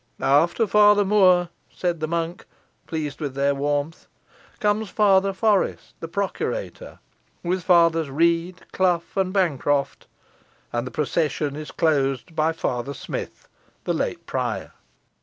"After Father Moore," said the monk, pleased with their warmth, "comes Father Forrest, the procurator, with Fathers Rede, Clough, and Bancroft, and the procession is closed by Father Smith, the late prior."